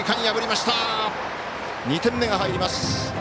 ２点目が入ります。